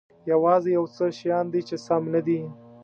یوازې یو څه شیان دي چې سم نه دي.